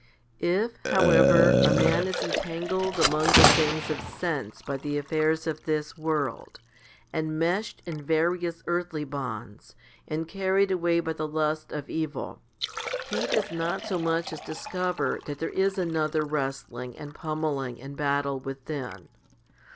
If, however, a man is entangled among the things of sense by the affairs of this world, and meshed in various earthly bonds, and carried away by the lusts of evil, he does not so much as discover that there is another wrestling and pummelling and battle within.